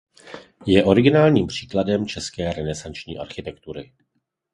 Je originálním příkladem české renesanční architektury.